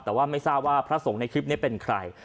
แต่ว่าไม่ทราบว่าพระสงฆ์ในคลิปนี้เป็นใคร